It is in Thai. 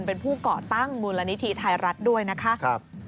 เป็นผู้ก่อตั้งมูลนิธิไทยรัฐด้วยนะคะ